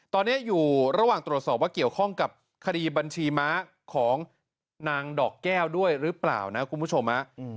ตอนนี้อยู่ระหว่างตรวจสอบว่าเกี่ยวข้องกับคดีบัญชีม้าของนางดอกแก้วด้วยหรือเปล่านะคุณผู้ชม